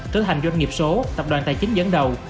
tới hành doanh nghiệp số tập đoàn tài chính dẫn đầu